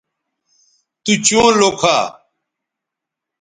تو چوں لوکھا